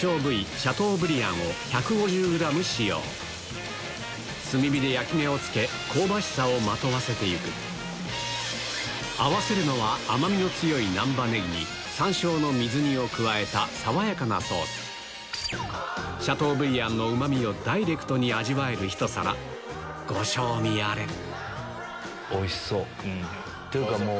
シャトーブリアンを１５０ｇ使用炭火で焼き目をつけ香ばしさをまとわせていく合わせるのは甘みの強い難波ネギに山椒の水煮を加えた爽やかなソースシャトーブリアンのうまみをダイレクトに味わえるひと皿ご賞味あれおいしそう。